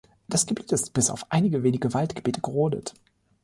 Das Gebiet ist bis auf einige wenige Waldgebiete gerodet.